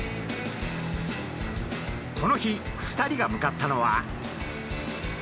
この日２人が向かったのは。